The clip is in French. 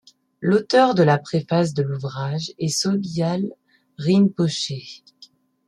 L'auteur de la préface de l'ouvrage est Sogyal Rinpoché.